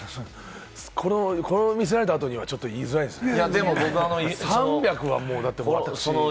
これを見せられた後には、ちょっと言いづらいですね。